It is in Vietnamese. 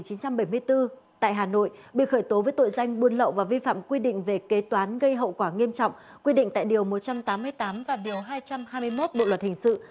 sinh ngày một mươi hai tháng sáu năm một nghìn chín trăm bảy mươi bốn tại hà nội bị khởi tố với tội danh buôn lậu và vi phạm quy định về kế toán gây hậu quả nghiêm trọng quy định tại điều một trăm tám mươi tám và điều hai trăm hai mươi một bộ luật hình sự